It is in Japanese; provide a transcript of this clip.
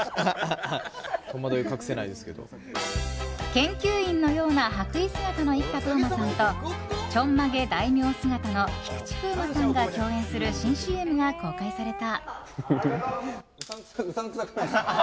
研究員のような白衣姿の生田斗真さんとちょんまげ大名姿の菊池風磨さんが共演する新ＣＭが公開された。